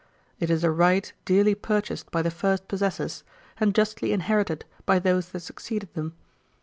It is a right dearly purchased by the first possessors, and justly inherited by those that succeeded them.